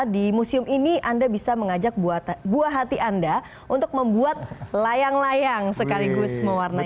di museum ini anda bisa mengajak buah hati anda untuk membuat layang layang sekaligus mewarnai